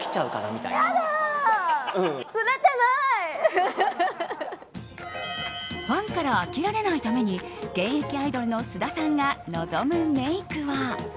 ファンから飽きられないために現役アイドルの須田さんが望むメイクは。